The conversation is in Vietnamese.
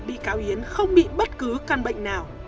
bị cáo yến không bị bất cứ căn bệnh nào